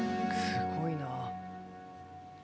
すごいな。